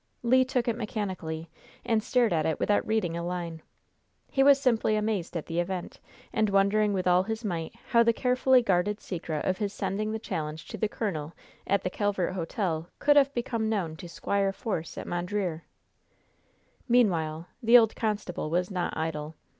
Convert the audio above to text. Le took it mechanically, and stared at it without reading a line. He was simply amazed at the event, and wondering with all his might how the carefully guarded secret of his sending the challenge to the colonel at the Calvert Hotel could have become known to Squire Force, at Mondreer. Meanwhile, the old constable was not idle.